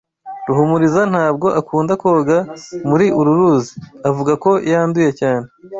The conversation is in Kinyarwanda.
Ruhumuriza ntabwo akunda koga muri uru ruzi. Avuga ko yanduye cyane.